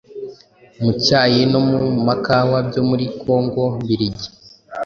mu cyayi no mu makawa byo muri Kongo mbiligi.